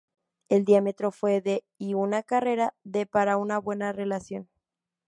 El diámetro fue de y una carrera de para una buena relación.